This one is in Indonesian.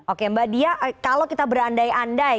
oke mbak dia kalau kita berandai andai